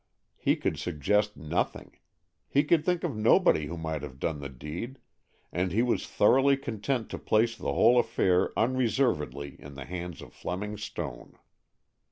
He could suggest nothing; he could think of nobody who might have done the deed, and he was thoroughly content to place the whole affair unreservedly in the hands of Fleming Stone.